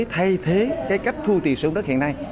thay thế cái cách thu tiền sử dụng đất hiện nay